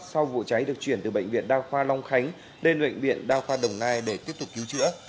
sau vụ cháy được chuyển từ bệnh viện đa khoa long khánh lên bệnh viện đa khoa đồng nai để tiếp tục cứu chữa